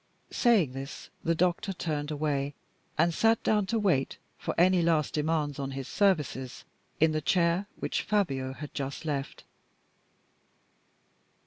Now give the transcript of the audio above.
Saying this, the doctor turned away, and sat down to wait for any last demands on his services, in the chair which Fabio had just left.